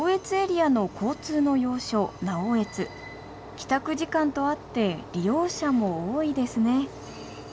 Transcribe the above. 帰宅時間とあって利用者も多いですね